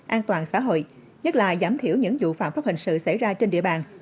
an toàn xã hội nhất là giảm thiểu những vụ phạm pháp hình sự xảy ra trên địa bàn